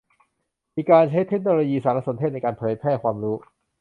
มีการใช้เทคโนโลยีสารสนเทศในการเผยแพร่ความรู้